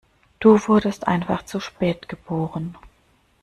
Du wurdest einfach zu spät geboren.